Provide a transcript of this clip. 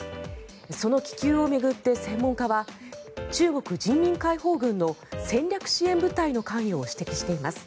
その気球を巡って専門家は中国人民解放軍の戦略支援部隊の関与を指摘しています。